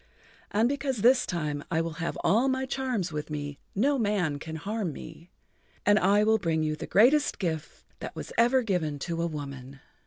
And because this time I will have all my charms with me, no man can harm me. And I will bring you the greatest gift that was ever given to a woman."